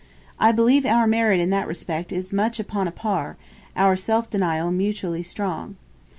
I believe our merit in that respect is much upon a par, our self denial mutually strong.